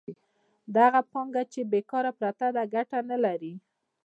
دغه پانګه چې بېکاره پرته ده ګټه نلري